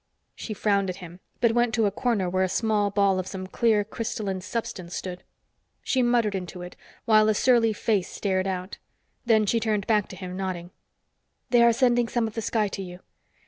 She frowned at him, but went to a corner where a small ball of some clear crystalline substance stood. She muttered into it, while a surly face stared out. Then she turned back to him, nodding. "They are sending some of the sky to you.